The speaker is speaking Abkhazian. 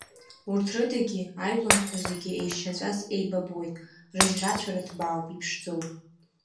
Урҭ рыдагьы аижәлантәқәа зегьы еишьцәаҵас иеибабоит, рыжьрацәара ҭбаауп, иԥшӡоуп.